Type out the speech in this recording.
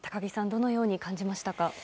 どのように感じましたか？